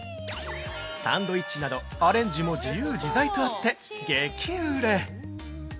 サンドイッチなどアレンジも自由自在とあって激売れ！